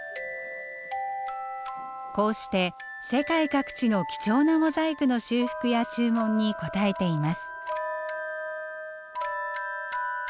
こうして世界各地の貴重なモザイクの修復や注文に応えています。